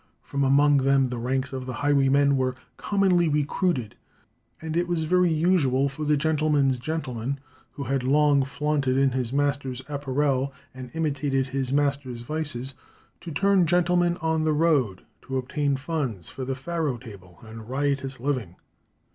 From among them the ranks of the highwaymen were commonly recruited, and it was very usual for the gentleman's gentleman, who had long flaunted in his master's apparel, and imitated his master's vices, to turn gentleman on the road to obtain funds for the faro table and riotous living.